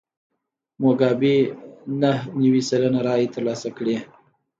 موګابي نهه نوي سلنه رایې ترلاسه کړې.